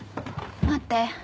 待って。